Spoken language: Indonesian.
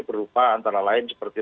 berupa antara lain seperti